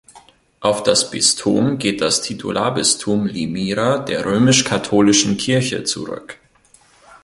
Auf das Bistum geht das Titularbistum Limyra der römisch-katholischen Kirche zurück.